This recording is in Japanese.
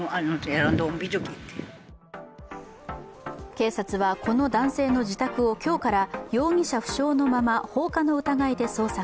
警察はこの男性の自宅を今日から容疑者不詳のまま放火の疑いで捜索。